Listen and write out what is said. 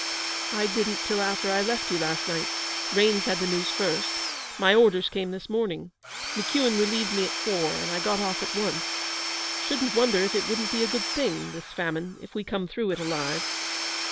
'I didn't till after I left you last night. Raines had the news first. My orders came this morning. McEuan relieved me at four, and I got off at once. Shouldn't wonder if it wouldn't be a good thing this famine if we come through it alive.'